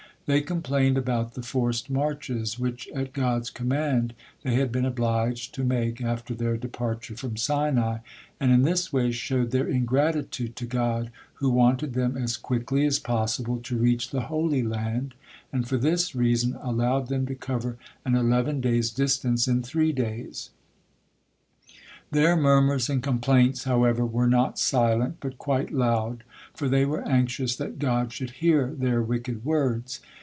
They complained about the forced marches which at God's command they had been obliged to make after their departure from Sinai, and in this way showed their ingratitude to God who wanted them as quickly as possible to reach the Holy Land, and for this reason allowed them to cover an eleven days' distance in three days. Their murmurs and complaints, however, were not silent, but quite loud, for they were anxious that God should hear their wicked words.